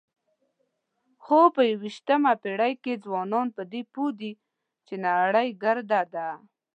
خو په یوویشتمه پېړۍ کې ځوانان په دې پوه دي چې نړۍ ګرده ده.